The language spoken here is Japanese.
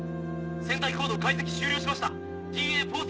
「船体コード解析終了しました。